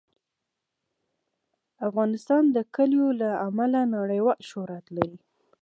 افغانستان د کلیو له امله نړیوال شهرت لري.